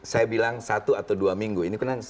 saya bilang satu atau dua minggu ini